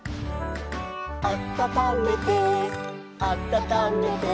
「あたためてあたためて」